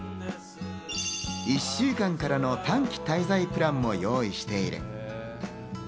１週間からの短期滞在プランも用意している。